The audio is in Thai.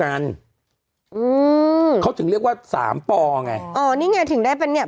อืมเขาถึงเรียกว่าสามปอไงอ๋อนี่ไงถึงได้เป็นเนี้ย